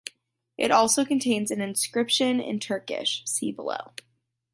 It also contains an inscription in Turkish (see below).